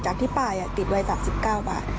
ที่ป้ายติดไว้๓๙บาท